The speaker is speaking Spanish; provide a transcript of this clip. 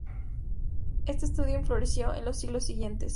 Este studium floreció en los siglos siguientes.